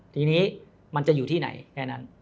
ทีนี้มันจะอยู่ที่ไหนแค่นั้น